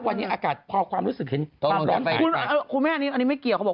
วันนี้อากาศพอความรู้สึกเห็นความร้อนคุณแม่อันนี้ไม่เกี่ยวเขาบอก